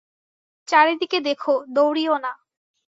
চারিদিকে দেখো, দৌড়িও না।